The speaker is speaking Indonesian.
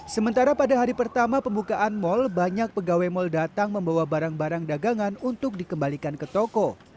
sementara pada hari pertama pembukaan mal banyak pegawai mal datang membawa barang barang dagangan untuk dikembalikan ke toko